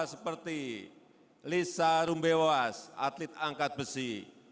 seperti lisa rumbewas atlet angkat besi